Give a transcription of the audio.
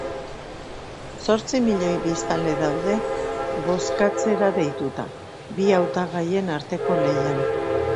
Zortzi milioi biztanle daude bozkatzera deituta, bi hautagaien arteko lehian.